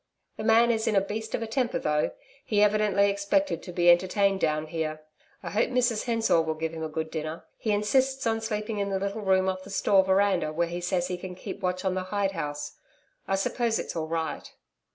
The man is in a beast of a temper though, he evidently expected to be entertained down here. I hope Mrs Hensor will give him a good dinner. He insists on sleeping in the little room off the store veranda where he says he can keep watch on the hide house. I suppose it's all right?'